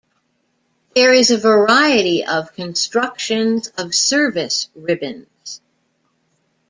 There is a variety of constructions of service ribbons.